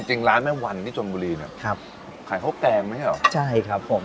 จริงร้านแม่วันที่ชนบุรีเนี่ยครับขายข้าวแกงไหมเหรอใช่ครับผม